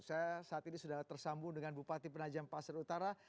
saya saat ini sudah tersambung dengan bupati penajam pasir utara